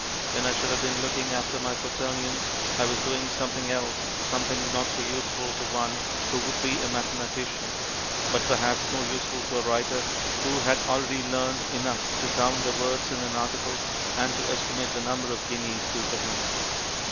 When I should have been looking after my quaternions, I was doing something else, something not so useful to one who would be a mathematician, but perhaps more useful to a writer who had already learnt enough to count the words in an article and to estimate the number of guineas due to him.